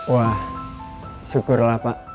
wah syukurlah pak